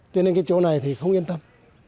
cho nên cái chỗ này thì không yên tâm